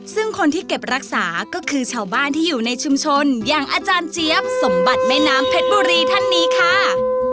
ซึ่งคนที่เก็บรักษาก็คือชาวบ้านที่อยู่ในชุมชนอย่างอาจารย์เจี๊ยบสมบัติแม่น้ำเพชรบุรีท่านนี้ค่ะ